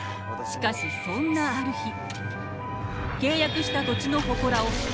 しかしそんなある日。